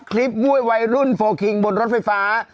หน่อยทีบด้วยวัยรุ่นโฟล่คิงบนรถไฟฟ้า